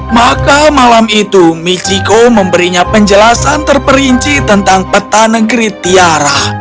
maka malam itu michiko memberinya penjelasan terperinci tentang peta negeri tiara